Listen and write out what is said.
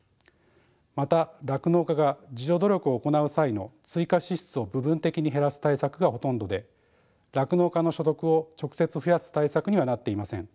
また酪農家が自助努力を行う際の追加支出を部分的に減らす対策がほとんどで酪農家の所得を直接増やす対策にはなっていません。